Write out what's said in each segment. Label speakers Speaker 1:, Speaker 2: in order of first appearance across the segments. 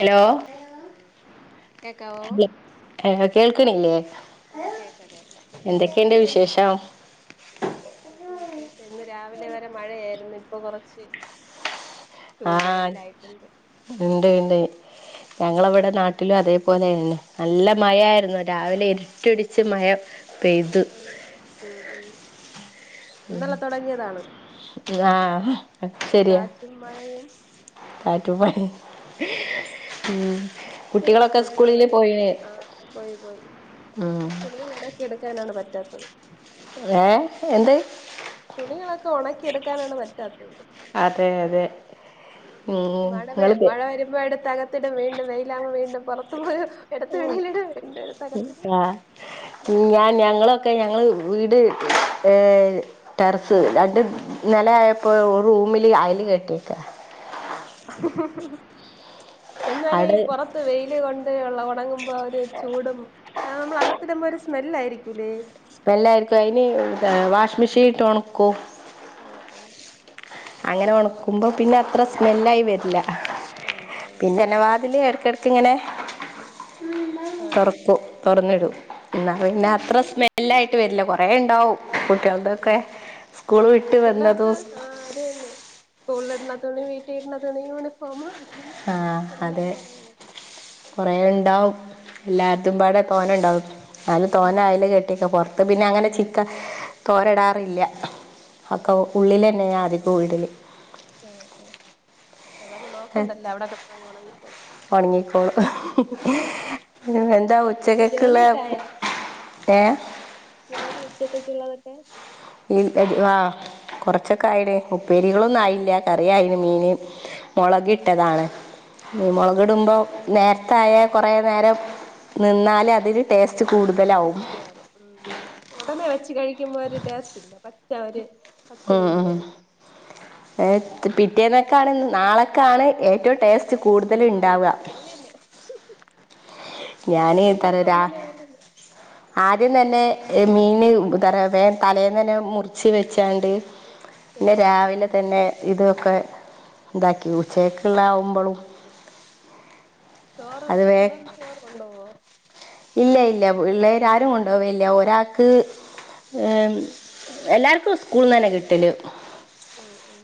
Speaker 1: hello
Speaker 2: കേക്കാവോ
Speaker 1: എ കേൾക്കണില്ലേ
Speaker 2: ആ കേക്കാം കേക്കാം
Speaker 1: എന്തൊക്കെയുണ്ട് വിശേഷം
Speaker 2: വിശേഷം ഇന്ന് രാവിലെ വരെ മഴയായിരുന്നു ഇപ്പൊ കുറച്ച്
Speaker 1: ആഹ് ഇണ്ട് ഇണ്ട് ഞങ്ങളവിടെ നാട്ടിലും അതേപോലെന്നെ നല്ല മഴയായിരുന്നു രാവിലെ ഇരുട്ടിടിച്ച് മയം
Speaker 2: മ് മ് ഉ ഉ
Speaker 1: ആഹ് ശരിയാ
Speaker 2: കാറ്റും മഴയും
Speaker 1: കാറ്റും മഴയും മം കുട്ടികളൊക്കെ
Speaker 2: തുണികള്
Speaker 1: സ്കൂളില്
Speaker 2: നന
Speaker 1: പോയിലെ
Speaker 2: ആഹ് പോയി പോയി
Speaker 1: ഉ
Speaker 2: തുണികൾ ഉണക്കിയെടുക്കാനാണ് പറ്റാത്തത്
Speaker 1: ഏ എന്ത്
Speaker 2: തുണികളൊക്കെ ഉണക്കിയെടുക്കാനാണ് പറ്റാത്തത്
Speaker 1: അതെ അതെ ഉം
Speaker 2: മഴ വെ
Speaker 1: നിങ്ങള്
Speaker 2: മഴ വരുമ്പോ എടുത്തക വീ വീണ്ടും വെയിലാവും വീണ്ടും പുറത്തു പോയോ
Speaker 1: ആ ഞാൻ ഞങ്ങള് ക്കെ ഞങ്ങള് വീട് ടെറസ് രണ്ട് നില ആയപ്പോ ഒര് റൂമില് അയൽ കെട്ടിയേക്ക
Speaker 2: ആ എന്നാലേ ഈ
Speaker 1: അവിടെ
Speaker 2: കൊറ ത്ത്‌ വെയില് കൊണ്ട് ള്ള ഉണങ്ങുമ്പോ ഒര് ചൂടും ആ നമ്മള് അകത്തിടുമ്പോ ഒരു സ്മെല്ല് ആയിരിക്കൂല്ലേ
Speaker 1: സ്മെല്ലായിരിക്കും അതിന് വാഷി മെഷീൻട്ട് ഉണക്കൂ
Speaker 2: ഓ ഹൊ
Speaker 1: അങ്ങനെ ഒണക്കുമ്പോ പിന്നെ അത്ര
Speaker 2: ഉം
Speaker 1: സ്മെല്ലായി വരില്ല
Speaker 2: പിന്നെ ആ
Speaker 1: പിന്നെഎന്നെപാ തില് എടക്കെടക്കിങ്ങനെ
Speaker 2: ആ
Speaker 1: തൊറക്കൂ തൊറന്നിടൂ എന്നാ പിന്നെ
Speaker 2: ആ
Speaker 1: അത്ര സ്മെല്ലായിട്ട് വരില്ല കൊറെേ ഉണ്ടാവും
Speaker 2: ഉം
Speaker 1: കുട്ടൃളുതൊക്കെ സ്കൂള് വിട്ട് വന്നതും
Speaker 2: അതെന്നെ സ്കൂളിട്ണ തുണി വീട്ടിലിട്ണ തുണി യൂണിഫോംമ്
Speaker 1: ആഹ് അതെ കൊറേ ഉണ്ടാവും എല്ലാർത്തുംപാടെ തോനെണ്ടാവും അതും
Speaker 2: ഉം
Speaker 1: തോനെ ആയല് കെ ട്ടി പൊറത്ത് പിന്നെ അങ്ങനെ ചിക്ക തോരെടാറില്ലൃ
Speaker 2: ആ
Speaker 1: ഒക്കെ ഉള്ളിലെന്നെ ആദ്യപൊ ഇടല്
Speaker 2: ആഹ് ആഹ് അതാവുമ്പോ നോക്കണ്ടല്ലോ അവിടെക്കടന്നൊണങ്ങികോളും
Speaker 1: ഒണങ്ങിക്കോളും എന്താ
Speaker 2: പിന്നെ
Speaker 1: ഉച്ചക്ക്ക്ള്ളേ
Speaker 2: ജോലിയൊക്കെ ആയോ
Speaker 1: ഏ
Speaker 2: ജോലി ഉച്ചത്തേക്കുള്ളതൊക്കെ
Speaker 1: ഈ എടി ആഹ് കുറച്ചൊക്കെ ആയെടേ ഉപ്പേരികളൊന്നും ആയില്ല കറിയായൈ മീന്
Speaker 2: ആ ആ
Speaker 1: മൊളകിട്ടതാണ് മീൻ
Speaker 2: ആ ആ
Speaker 1: മൊളക്ടുമ്പോ നേര്ത്തായാ കൊറേ നേരം നിന്നാല് അതില് ടേസ്റ്റ് കൂടും
Speaker 2: ടേസ്റ്റ് കാണും ഉം ഉടനെ വെച്ച് കഴിക്കുമ്പോ ഒര് ടേസ്റ്റില്ല പച്ച ഒര്
Speaker 1: ഉം ഉം ഏ പിറ്റേന്നെക്കാണ് നാളെക്കാണ് ഏറ്റവും ടേസ്റ്റ് റ്റ്
Speaker 2: നല്ല
Speaker 1: കൂടുതല്ണ്ടാവ
Speaker 2: [unintelligible]
Speaker 1: ഞാന്
Speaker 2: ഞാൻ മുമ്പ്
Speaker 1: തലരാ
Speaker 2: അങ്ങനെയായിരുന്നു
Speaker 1: ആദ്യം തന്നെ ഏ മീന് തറവേ തലേനെന്നെ മുറിച്ച് വെച്ചാണ്ട് പിന്നെ
Speaker 2: ഉം ഉം
Speaker 1: രാവിലെ തന്നെ ഇതൊക്കെ ഇതാക്കി ഉച്ചകക്ക്ള്ളാവുമ്പൊളും
Speaker 2: ചോറ്
Speaker 1: അത് വേ
Speaker 2: പിള്ളേര് ചോറ് കൊണ്ടൊവോ
Speaker 1: ഇല്ല ഇല്ല പിള്ളേര് ആരും കൊണ്ടുവില്ല ഒരാൾക്ക് ഏം എല്ലാർക്കും സ്കൂൾനന്നെ കിട്ടല്
Speaker 2: ഉം ഉം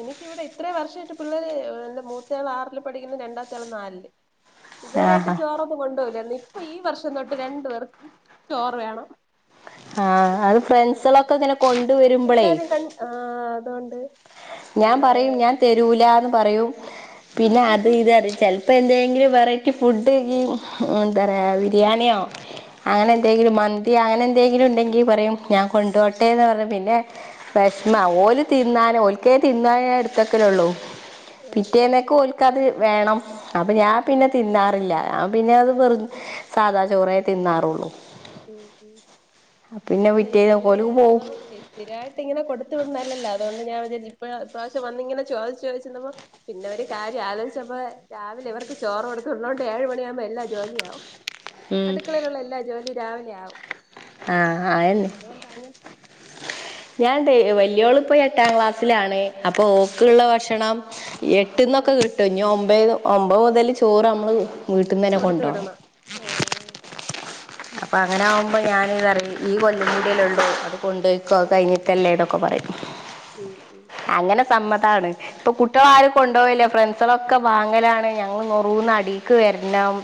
Speaker 2: എനിക്കിവിടെ ഇത്രം വർഷായിട്ട് പിള്ളേര് എന്റെ മൂത്തേള് ആറില് പഠിക്കുന്ന് രണ്ടാംത്തേള് നാലില്
Speaker 1: ആ
Speaker 2: ഇതുവരായിട്ട് ചോറൊന്നും കൊണ്ടൊവുല്ല നിപ്പൊ ഈ വർഷം തൊട്ട് രണ്ടു പേർക്കും ചോറ് വേണം
Speaker 1: ആഹ് അത് ഫ്രണ്ട്സൊളൊക്കെങ്ങനെ കൊണ്ട് വരുമ്പൊളൈ
Speaker 2: തൻ ആഹ് ആഹ് അതോണ്ട്
Speaker 1: ഞാൻ പറയും ഞാൻ തെരൂലാന്ന് പറയും
Speaker 2: ഉം
Speaker 1: പിന്നെ അത് ഇതാറി ചെൽ പ്പന്തേങ്കിലും വെറൈറ്റി ഫുഡ് ഈ എന്താറയാ ബിരിയാണിയോ
Speaker 2: ഉം
Speaker 1: അങ്ങനെന്തെങ്കിലും
Speaker 2: ഉം
Speaker 1: മൻ ന്തി അങ്ങനെന്തേങ്കിലും ഉണ്ടെങ്കി പറയും ഞാൻ കൊണ്ടോട്ടെ എന്ന് പറഞ്ഞ് പിന്നെ
Speaker 2: ഉം
Speaker 1: വെഷമലും ഓല് തിന്നാനൊ ഓൽക്കേ തിന്നാനെടുത്തക്കലൊള്ളൂ
Speaker 2: ആഹ് ആഹ്
Speaker 1: പിറ്റേന്നെക്കോല് കത് വേണം അപ്പൊ ഞാൻപിന്നെ
Speaker 2: ആഹ്
Speaker 1: തിന്നാറില്ല ഞാ പിന്നെ അത് വെറും സാദാ ചോറേ തിന്നാറൊള്ളൂ
Speaker 2: ഉം ഉം ഇല്ലഈ
Speaker 1: പിറ്റേന്ന് ഓല്
Speaker 2: പിള്ളേരെ
Speaker 1: പോവും
Speaker 2: നമുക്കെ സ്തിരായിട്ടിങ്ങനെ കൊടുത്ത് വിടുന്നത് നല്ലതല്ല അതോണ്ട് ഞാൻ വിചാരിച്ച് ഇപ്രാവിശൃം വന്നിങ്ങനെ ചോയ്ച്ച് ചോയ്ച്ചിന്നപ്പോ പിന്നെവര് കാര്യം ആലോചിച്ചപ്പോ രാവിലെ ഇവർക്ക് ചോറ് കൊടുത്ത് വിടണം ഏഴ് മണിയാവുമ്പോ എല്ലാ ജോലിയാവും
Speaker 1: ഉം
Speaker 2: അടുക്കളയിലുള്ള എല്ലാ ജോലിം രാവിലെ ആവും
Speaker 1: ആഹ് അയെന്നെ
Speaker 2: അതുകൊണ്ട് അങ്ങനെ
Speaker 1: ഞാൻ തേ വല്യയോളിപ്പോ എട്ടാം ക്ലാസ്സിലാണ് അപ്പൊ ഓക്ക്ള്ള
Speaker 2: ആഹ്
Speaker 1: ഭക്ഷണം
Speaker 2: ആഹ്
Speaker 1: എട്ട്ന്നൊക്കെ
Speaker 2: ആഹ്
Speaker 1: കിട്ട് ട്ട് ഒമ്പത് മുതല് ചോറ് ഞമ്മള് വെക്കും
Speaker 2: കൊടുത്ത് വിടണം ആഹ്
Speaker 1: അപ്പോം അങ്ങനെ ആവുമ്പോ ഞാന് പറയ് ഈ കൊല്ലകുടിയാല്ലേ ഒള്ളൂ അത് കൊണ്ട്കൊയ്ക്കോ അത് കഴിഞ്ഞത്ത് അല്ലേ ഇതൊക്കെ പറയും
Speaker 2: ഉം ഉം
Speaker 1: അങ്ങനെ സമ്മതാണ് ഇപ്പൊ കുട്ടേള് ആരും കൊണ്ട്പോവാല്ല് ഇല്ലാ ഫ്രണ്ട്സൊളേക്കെ വാങ്ങലാണ്
Speaker 2: ഉം
Speaker 1: [unintelligible] അടിക്ക് വെരണം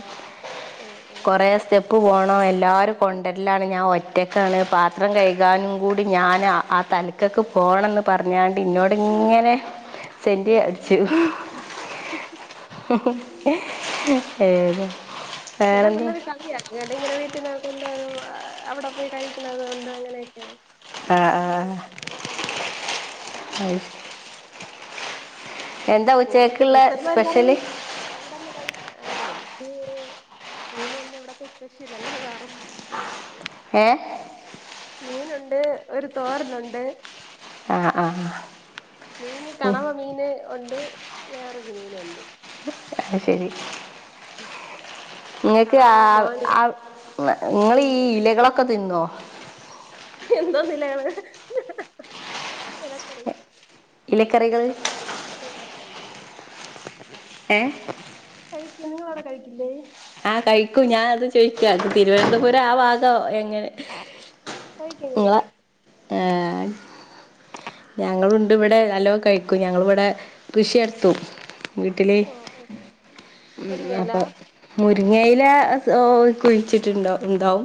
Speaker 2: ആഹ് ആഹ്
Speaker 1: കോറേ സ്റ്റെപ്പ് പോ ആഹ് ഏല്ലാരും കൊണ്ട്വര ലാണ് ഞാൻ ഒറ്റക്ക്യാണ് പാത്രം കഴ്കാനും കൂടി ഞാനാ ആഹ് ത ക്കൊക്ക് പോണെന്ന് പറഞ്ഞാണ്ട് എന്നോട് ഇങ്ങനെ സെന്റി അടിച്ചു ഹുഹും ഏത്
Speaker 2: ചെലേ
Speaker 1: വേറെന്താ
Speaker 2: പിള്ളേര് കളി ഇങ്ങാട്ട് ഇങ്ങനെ വീട്ടിന്ന് കൊണ്ട് അവടെ പോയി കഴിക്കണത് കൊണ്ട് അങ്ങനെയൊക്കെ
Speaker 1: ആ
Speaker 2: എല്ലാ
Speaker 1: ആ
Speaker 2: പിള്ളരാം [inaudible]
Speaker 1: ഹായ്
Speaker 2: പിന്നെ സ്കുള്ന്ന്
Speaker 1: ഉച്ചയ്ക്കുള്ള
Speaker 2: ടീച്ചർമാര്
Speaker 1: സ്പെഷ്യല്
Speaker 2: പറയും അവടെന്ന് കഴിക്ക അല്ലേ എനിക്ക് മീന് തന്നെയാഇവിടത്തെ സ്പെഷ്യല് അല്ലാ വേറേന്നാ
Speaker 1: യെ
Speaker 2: മീന് ഉണ്ട് ഒര് തോരനോണ്ട്
Speaker 1: ആഹ് ആഹ് ആഹ്
Speaker 2: മീന് കണവാ മീന് ഒണ്ട് വേറൊരു മീന് ഒണ്ട്
Speaker 1: ആയ് ശേരി
Speaker 2: ഉം
Speaker 1: നിങ്ങക്ക് ആഹ് ആഹ് നിങ്ങള് ഈ ഇലകളൊക്കെ തിന്നോ
Speaker 2: എന്തോ ന്ന്ഇലകള് ഞാനാ ഇലക്കറി
Speaker 1: ഇലക്കറികൾ
Speaker 2: ആഹ് കഴിക്കും കഴിക്കും
Speaker 1: ഏഹ്
Speaker 2: കഴിക്കും നിങ്ങള് അവടെ കഴിക്കില്ലേ
Speaker 1: ആഹ് കയിക്കൂം ഞാന് അത് ചോയിക്ക്യാ തിരുനന്തപുരം ആഹ് [unintelligible] എങ്ങനെ
Speaker 2: കഴിക്കും
Speaker 1: നിങ്ങളാ
Speaker 2: കഴിക്കും
Speaker 1: ഏഹ് ഞങ്ങളുണ്ട് ഇവടെ നല്ലോ കയിക്കും ഞങ്ങള് ഇവടെ കൃഷി നടത്തും വീട്ടില്
Speaker 2: ഓ ഓ
Speaker 1: ഉം
Speaker 2: മുരിങ്ങയില
Speaker 1: അപ്പൊ മുരിങ്ങയില കുഴിച്ചിട്ട് ഇണ്ടാവും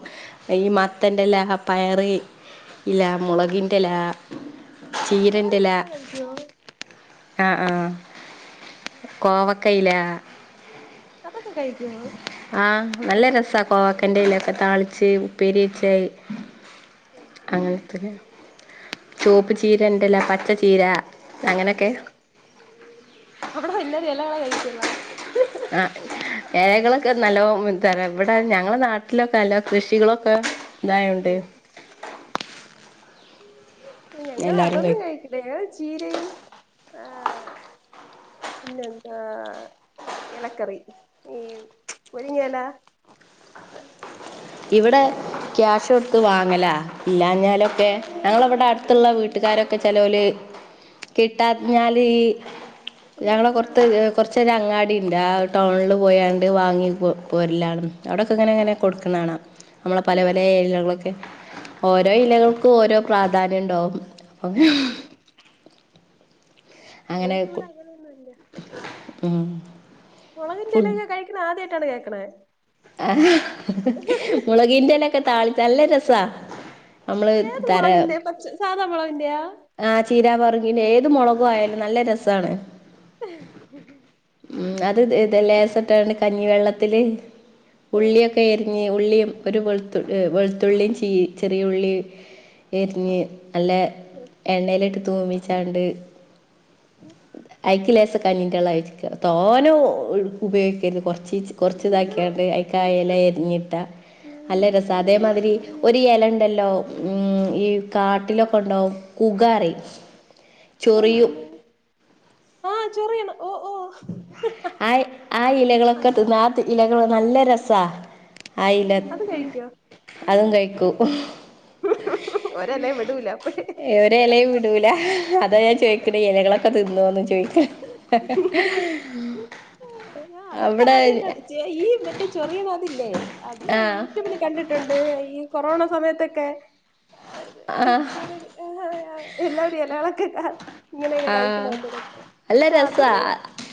Speaker 1: ഈ
Speaker 2: ഉം
Speaker 1: മത്തന്റെലാ പയറി ഇലാ മൊളകിൻ്റെല ചീരൻ്റെല
Speaker 2: മുളകിന്റെ ഇല കഴിക്കോ
Speaker 1: ആഹ് ആഹ് കോവക ഇലാ
Speaker 2: അതാക്കെ കയിക്കേയോ
Speaker 1: ആഹ് നല്ല രസ കോവാക്ക്യാന്റെ എലൊക്കെ താളിച്ച് ഉപ്പേരിച്ചോ
Speaker 2: ഉം ഉം
Speaker 1: അങ്ങനത്തേന് ചോപ്പ് ചീരൻ്റെലാ പച്ച ചീര
Speaker 2: ഉം
Speaker 1: അങ്ങനെയൊക്കെ
Speaker 2: അവടെ എല്ലരും എലകളെ കഴിക്ക്ള്ളാ
Speaker 1: ആഹ് എലകളൊക്കെ നല്ലോ [unintelligible] ഇവടെ ഞങ്ങടെ നാട്ടിലൊക്കേ അല്ലോ കൃഷികളൊക്കെ ന്തായോണ്ട്
Speaker 2: ഉം ഞങ്ങള്
Speaker 1: എല്ലാരും
Speaker 2: അതൊന്നും
Speaker 1: കഴിക്കും
Speaker 2: കയിക്കില്ലാ ഞങ്ങള് ചീരയും ആഹ് പിന്നെ എന്താ ഇലക്കറി ഈ മുരിങ്ങേലാ
Speaker 1: ഇവടെ ക്യാഷ് കൊടുത്ത് വാങ്ങലാ ഇല്ലാഞ്ഞാലൊക്കെ ഞങ്ങള് അവടെ അട്ത്തോള്ളാ വീട്ടുകാര് ഒക്കെ ചെലൊല് കിട്ടാഞ്ഞാല് ഈ ഞങ്ങളെ [unintelligible] കൊറച്ച് ഒര് അങ്ങാടി ഇണ്ട് ആഹ് ടൗണില് പോയാണ്ട് വാങ്ങി പോ പോരിലാണ് അവടെക്കെ ഇങ്ങനെ ഇങ്ങനെ കൊട്ക്കാണാ കാണം നമ്മളെ പലേ പലേ ഇലകളൊക്കെ
Speaker 2: ഓ
Speaker 1: ഓരോ
Speaker 2: ഓ
Speaker 1: ഇലകൾക്കും ഓരോ പ്രാധാന്യം ഒണ്ടാവും ഓക്കെ
Speaker 2: ഉം
Speaker 1: അങ്ങനെ
Speaker 2: ഞങ്ങൾക്ക് ഇവിടെ അങ്ങനൊന്നും ഇല്ല
Speaker 1: ഉം
Speaker 2: മുളകിന്റെ ഇല്ലകെ കഴിക്കണ ആദ്യമായിട്ടാണ് കേൾക്കണേ
Speaker 1: ആഹ് മുളകിന്റെല ഒക്കെ താളി നല്ല രസാ നമ്മള്
Speaker 2: ഏത് മുളകിന്റെ പക്ഷ സാധാ മുളകിന്റെയാ
Speaker 1: ആഹ് ചീര പറങ്ങി് ഏത് മുളക് ആയാലും നല്ല രസാണ്
Speaker 2: [inaudible]
Speaker 1: ഉം അത് ഇ ലേസട്ടാണ് കഞ്ഞിവെള്ളത്തില് ഉള്ളിയൊക്കെ ഇ ഉള്ളിയും ഒരു വെളുത്ത വെളുത്തുള്ളിയും ചെയ്യ ചെറിയ ഉള്ളി എരിഞ്ഞ് നല്ല
Speaker 2: ഓ
Speaker 1: എണ്ണയിലട്ട് തൂമിച്ചാണ്ട് ഐക്ക ലേസ കഞ്ഞിന്റെള്ള [unintelligible] തോനോ ഉപയോഗിക്കരുത് കുറച്ച് കുറച്ച് ഇതാക്കിയാണ്ട് ക്കായല എരിഞ്ഞിട്ട അല്ല രസം അതേമാതിരി ഒരു എലണ്ടല്ലോ ഉം ഈ കാട്ടിലൊക്കെ ഉണ്ടാവും കുകാറിം
Speaker 2: എന്തോന്ന് ആഹ് ചെറിയണം ഓഹ് ഓഹ്
Speaker 1: ആ ആ ഇലകളൊക്കെ തിന്ന ആ ഇലകൾ നല്ല രസ ആ ഇല
Speaker 2: അത് കഴിക്കോ
Speaker 1: അതും കഴിക്കും
Speaker 2: ഒരെലേം വിടൂലാ അപ്പഴേ
Speaker 1: ഒരു എലയും വിടൂല അതാണ് ഞാൻ ചോയ്ക്കുന്നത് ഇലകളൊക്കെ തിന്നോ ചോയ്ക്കു [inaudible]
Speaker 2: ആ അതൊക്കെ ആദ്യയിട്ടാണ് ഈ മറ്റേ ചെറിയണം അതില്ലേ അത്
Speaker 1: ആ
Speaker 2: യ കണ്ടിട്ടുണ്ട് ഈ കൊറോണ സമയത്തൊക്കെ
Speaker 1: ആ
Speaker 2: കൂടുൽ ആ എല്ലാവരും ഇലയാകളൊക്കെ ഇങ്ങനെയൊക്കെ
Speaker 1: ആഹ്
Speaker 2: കഴിക്കണണ്ടതൊക്കെ
Speaker 1: നല്ല
Speaker 2: അപ്പൊ
Speaker 1: രസാ
Speaker 2: അതിണ്ട്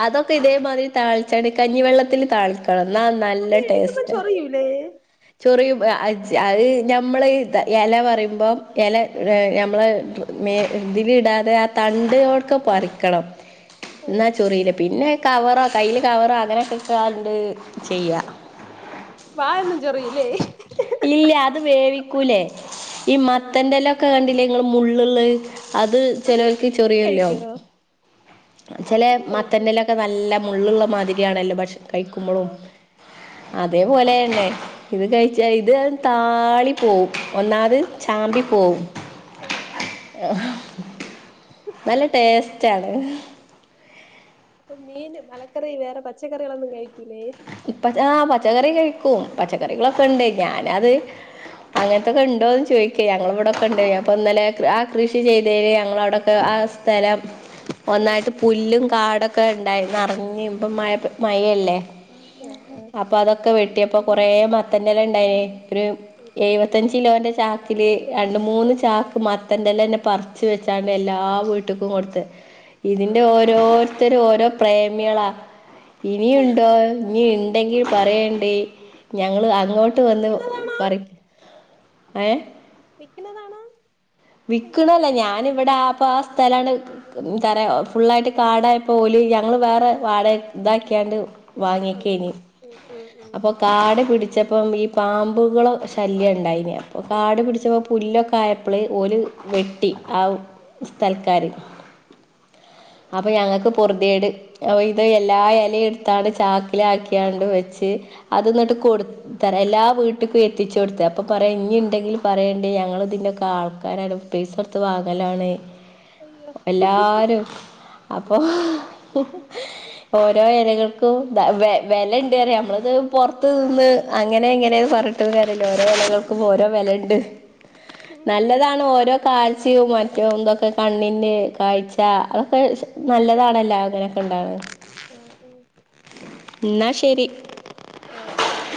Speaker 1: അതൊക്കെ ഇതേമാതിരി താളിച്ചാണ്ട്കഞ്ഞിവെള്ളത്തിന് താള ക്കണം ഇന്ന
Speaker 2: അത് എടക്കുമ്പോ ചൊറിയൂ ലേ
Speaker 1: ചെറിയു അത് ഞമ്മൾ എല പറയുമ്പോം എല ഞമ്മള മേ ഇതില ഇടാതെ ആ തണ്ടൊട്ക്കെ പറിക്കണം ന്നാ ചൊ റീലാപിന്നെ കവറോ കയ്യില് കവറോ അങ്ങനെയൊക്കെ ഇട്ട്ങ്ങാണ്ട് ചെയ്യാ
Speaker 2: വാ എന്നും ചൊറിലേ
Speaker 1: ഇല്ല അത് വേവിക്കൂലേ ഈ
Speaker 2: ആ ആ
Speaker 1: മത്തൻന്റെല ഒക്കെ കണ്ടില്ലേ നിങ്ങൾ മുള്ളത് അത് ചെലോൽക്ക്
Speaker 2: അത്
Speaker 1: ചൊറിയാല്ലോ ചെറിയല്ലോ
Speaker 2: കഴിക്കുവോ അതും കഴിക്കും
Speaker 1: ചെലേമത്തൻ്റെലൊക്കെ നല്ല മുള്ള് ള്ള മാതിരിയാണല്ലോ പക്ഷെ കഴിക്കുമ്പോളും അതേപോലെ ണ് ഇത് കഴിച്ച ഇത് താളി പോവും ഒന്നാമത് ചാമ്പി പോവും
Speaker 2: ആഹ് ആഹ്
Speaker 1: നല്ല ടേസ്റ്റ് ആണ്
Speaker 2: ഇപ്പൊ മീൻ മലക്കറി വേറെ പച്ചക്കറികളൊന്നും കഴിക്കൂലേ
Speaker 1: ഇപ്പ ആ പച്ചക്കറി കഴിക്കും പച്ചക്കറികളൊക്കെ ഇണ്ട് ഞാന അത് അങ്ങനത്തൊക്കെ ഉണ്ടോ എന്ന് ചോദിക്കേ ഞങ്ങൾ ഇവിടെക്ക ഉണ്ട് അപ്പൊ ഇന്നലെ ആ കൃഷി ചെയ്തേല് ഞങ്ങള അവിടൊക്കെ ആ സ്ഥലം
Speaker 2: ഉം
Speaker 1: ഒന്നായിട്ട്
Speaker 2: ഉം
Speaker 1: പുല്ലും കാടൊക്കെ ഉണ്ടായി നറഞ്ഞഞ് ഇപ്പ മ മയല്ലേ
Speaker 2: ആഹ്
Speaker 1: അപ്പൊ അതൊക്കെ വെട്ടിയപ്പൊ കൊറേ മത്തൻന്റെല ഉണ്ടായേഒരു എഴപത്തി പത്തഞ്ചച് കിലോന്റെ ചാക്കില് രണ്ട് മൂന്ന്
Speaker 2: ആഹ്
Speaker 1: ചാക്ക് മത്തൻന്റെലന്നെ പറിച്ചു വെച്ചാണ്ട് എല്ലാ വീട്ട് ക്ക് കൊടുത്തു ഇതിന്റെ ഓരോ ത്തൊരു ഓരോ പ്രേമികളാ ഇനിയുണ്ടോ ഇനി ഉണ്ടെങ്കിൽ പറയേണ്ട ഞങ്ങള് അങ്ങോട്ട് വന്ന്
Speaker 2: വിക്കുന്നതാണോ
Speaker 1: പറ ഏ
Speaker 2: വിക്കുന്നതാണോ പൈസക്ക്
Speaker 1: വിക്കണല്ല ഞാന ഇവിടെ ആപ്പൊ ആ സ്ഥലാണ് തര ഫുുള്ളായിട്ട് കാടായിപ്പോ ഓലി ഞങ്ങള്ൾവേറെ വാട ഇതാക്കിയാണ്ട്
Speaker 2: വന്നത്
Speaker 1: വാങ്ങിക്കേനി
Speaker 2: ഉം ഉം ഉം
Speaker 1: അപ്പൊ കാട് പിടിച്ചപ്പം ഈ പാമ്പുകളോ ശല്യം ഉണ്ടായിന അപ്പൊ
Speaker 2: ഉം
Speaker 1: കാട്
Speaker 2: ഉം
Speaker 1: പിടിച്ചപ്പോ പുല്ലൊക്കായപ്പൾ ഓല് വെട്ടി ആ സ്ഥൽക്കാർ അപ്പൊ ഞങ്ങൾക്ക് പൊറുതേട് ഇത് എല്ലാ എല എടുത്താണ്ട് ചാക്കിലാക്കിങ്ങാണ്ട് വെച്ച് അത്ന്നിട്ട്
Speaker 2: ഉം
Speaker 1: കൊടു എല്ലാ വീട്ട്ക്കും എത്തിച്ചു കൊടുത്തു അപ്പ പറയാ ഇനി ഉണ്ടെങ്കിൽ പറയേണ്ടേ ഞങ്ങൾ ഇതിൻറെയക്കെ ആൾക്ക ആക്കാരാണ് പൈസ കൊടുത്ത് വാങ്ങലാണ്
Speaker 2: അയ്യോ
Speaker 1: എല്ലാരും അപ്പോ ഓരോ ഇലകൾക്കും വെല ണ്ട് അറിയ നമ്മളിത് പുറത്ത് നിന്ന് അങ്ങനെ എങ്ങനെ പറ ല്ല ഓരോ എലകൾക്കും ഓരോ വെലണ്ട്
Speaker 2: ഉം
Speaker 1: നല്ലതാണ് കാൽസ്യം മറ്റോ എന്തൊക്കെ കണ്ണിന് കാഴ്ച അതൊക്കെ
Speaker 2: ആഹ്
Speaker 1: നല്ലതാണല്ലോ അങ്ങനെയൊക്കെ ഉണ്ടാണ്
Speaker 2: ആഹ് ആഹ്
Speaker 1: എന്നാ ശരി
Speaker 2: ആശരി